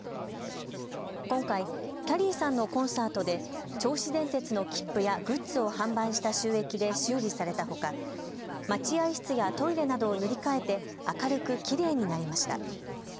今回きゃりーさんのコンサートで銚子電鉄の切符やグッズを販売した収益で修理されたほか待合室やトイレなどを塗り替えて明るく、きれいになりました。